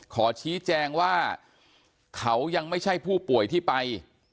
ขอชี้แจงว่าเขายังไม่ใช่ผู้ป่วยที่ไป